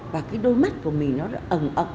và cái đôi mắt của mình nó ẩn ẩn